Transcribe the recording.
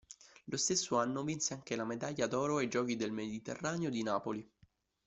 Lo stesso anno vinse anche la medaglia d'oro ai Giochi del Mediterraneo di Napoli.